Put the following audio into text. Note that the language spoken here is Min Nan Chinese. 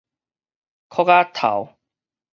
摳門